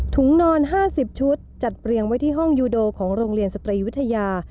นอน๕๐ชุดจัดเรียงไว้ที่ห้องยูโดของโรงเรียนสตรีวิทยา